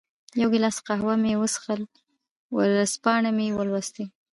یو ګیلاس قهوه مې هم وڅېښل، ورځپاڼې مې ولوستې.